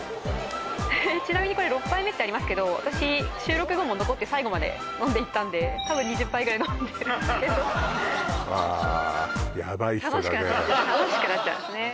ちなみにこれ６杯目ってありますけど私収録後も残って最後まで飲んでいったんでたぶん２０杯ぐらい飲んでるんですけどわーヤバい人だね楽しくなっちゃうんですね